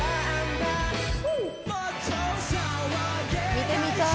見てみたい。